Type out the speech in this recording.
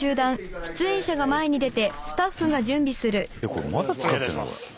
これまだ使ってんの？